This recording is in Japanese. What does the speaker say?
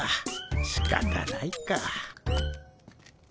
しかたないか。